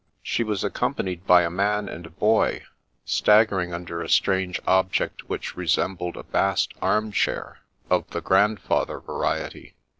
She was accompanied by a man and a boy, staggering under a strange object which resembled a vast arm chair, of the grandfather variety.